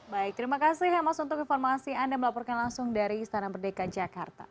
baik terima kasih hemas untuk informasi anda melaporkan langsung dari istana merdeka jakarta